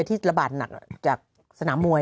ที่ระบาดหนักจากสนามมวย